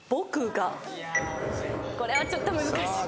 これはちょっと難しい。